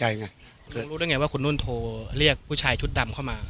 รู้ได้ไงว่าคุณนุ่นโทรเรียกผู้ชายชุดดำเข้ามา